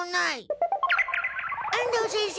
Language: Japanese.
安藤先生